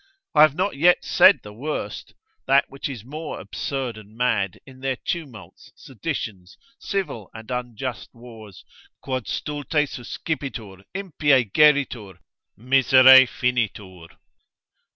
I have not yet said the worst, that which is more absurd and mad, in their tumults, seditions, civil and unjust wars, quod stulte sucipitur, impie geritur, misere finitur.